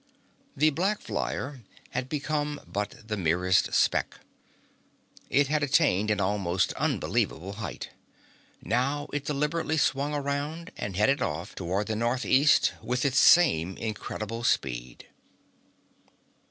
The black flyer had become but the merest speck. It had attained an almost unbelievable height. Now it deliberately swung around and headed off toward the northeast with its same incredible speed.